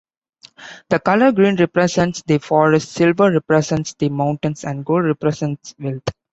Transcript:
The colour green represents the forests, silver represents the mountains, and gold represents wealth.